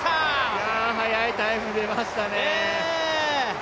いや、速いタイム出ましたね。